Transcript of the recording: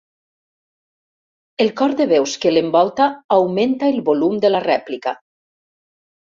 El cor de veus que l'envolta augmenta el volum de la rèplica.